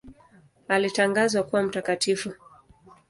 Alitangazwa kuwa mtakatifu.